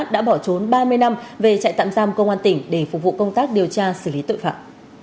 đã bỏ trốn ba mươi năm về trại tạm giam công an tỉnh để phục vụ công tác điều tra xử lý tội phạm